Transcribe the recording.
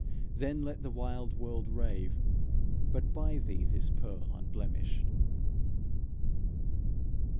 Then let the wild world rave, But buy thee this pearl unblemishèd."